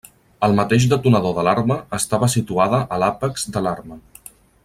El mateix detonador de l'arma estava situada a l'àpex de l'arma.